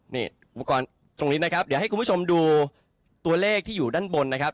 นี่อุปกรณ์ตรงนี้นะครับเดี๋ยวให้คุณผู้ชมดูตัวเลขที่อยู่ด้านบนนะครับ